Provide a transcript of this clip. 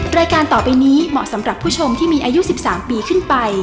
รายการต่อไปนี้เหมาะสำหรับผู้ชมที่มีอายุ๑๓ปีขึ้นไป